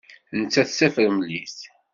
Nettat d tafremlit.